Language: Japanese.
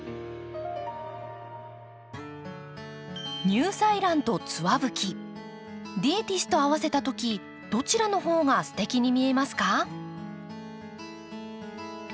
ニューサイランとツワブキディエティスと合わせた時どちらの方がすてきに見えますか？